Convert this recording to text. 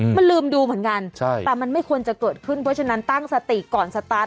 มันลืมดูเหมือนกันใช่แต่มันไม่ควรจะเกิดขึ้นเพราะฉะนั้นตั้งสติก่อนสตาร์ท